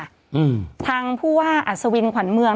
อืมทางผู้ว่าอัศวินขวัญเมือง